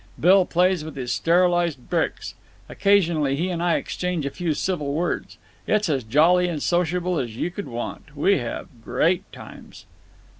Bill plays with his sterilized bricks. Occasionally he and I exchange a few civil words. It's as jolly and sociable as you could want. We have great times."